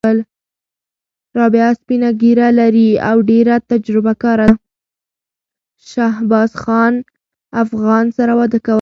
شهبازخان افغان سره واده کوم